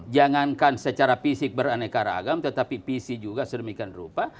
jangankan secara fisik beraneka ragam tetapi pc juga sedemikian rupa